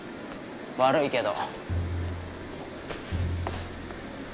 悪いけど。